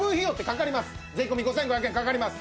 税込５５００円かかります。